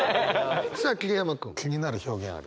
さあ桐山君気になる表現ある？